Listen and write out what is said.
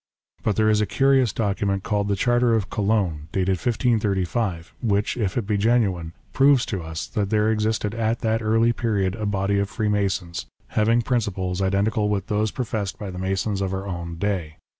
But there is a curious document called the Charter of Cologne dated 1535, which, if it be genuine, proves to us that there existed at that early period a body of Freemasons, having principles identical with those professed by the Masons of our own day.